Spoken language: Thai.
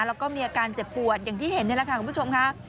แล้วก็มีอาการเจ็บปวดอย่างที่เห็นนี่แหละค่ะคุณผู้ชมค่ะ